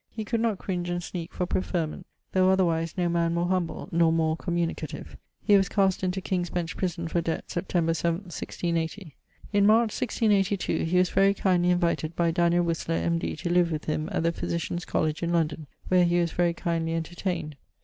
He could not cringe and sneake for preferment though otherwise no man more humble nor more communicative. He was cast into King's Bench prison for debt Sept. 7, 1680. In March 1682 he was very kindly invited by Daniel Whistler, M.D., to live with him at the Physitians College in London, where he was very kindly entertained.